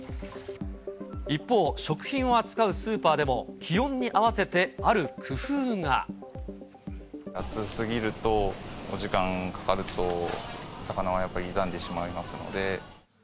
一方、食品を扱うスーパーでも、暑すぎると、お時間かかると、魚はやっぱり傷んでしまいますので。